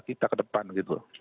kita ke depan begitu